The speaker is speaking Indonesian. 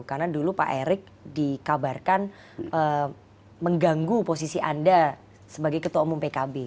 karena dulu pak erick dikabarkan mengganggu posisi anda sebagai ketua umum pkb